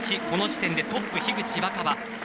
この時点でトップ、樋口新葉。